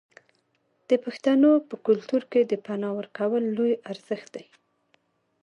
د پښتنو په کلتور کې د پنا ورکول لوی ارزښت دی.